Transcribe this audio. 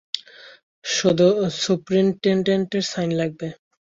শুধু সুপারিনটেনডেন্টের সাইন লাগবে।